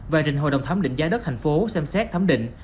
và rình hội đồng thám định giá đất thành phố xem xét thám định